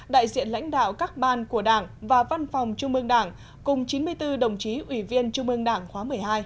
đại diện lãnh đạo các ban của đảng và văn phòng trung ương đảng cùng chín mươi bốn đồng chí ủy viên trung ương đảng khóa một mươi hai